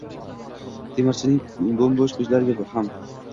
Temirchining bo’mbo’sh ko’zlariga ham